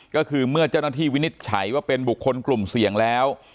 ก็คือเมื่อเจ้าหน้าที่วินิจฉัยว่าเป็นบุคคลกลุ่มเสี่ยงแล้ว